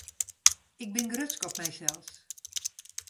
Ik bin grutsk op mysels.